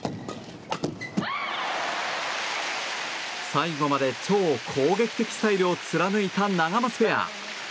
最後まで超攻撃的スタイルを貫いたナガマツペア。